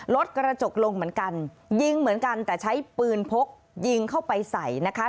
รถกระจกลงเหมือนกันยิงเหมือนกันแต่ใช้ปืนพกยิงเข้าไปใส่นะคะ